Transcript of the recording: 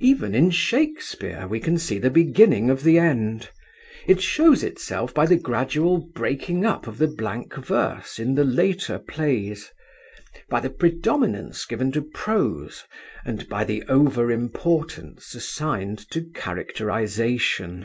Even in Shakespeare we can see the beginning of the end. It shows itself by the gradual breaking up of the blank verse in the later plays, by the predominance given to prose, and by the over importance assigned to characterisation.